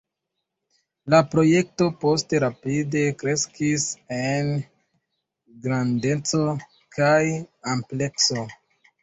La projekto poste rapide kreskis en grandeco kaj amplekso.